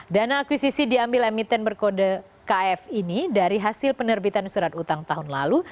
dana akuisisi diambil emiten berkode kf ini dari hasil penerbitan surat utang tahun lalu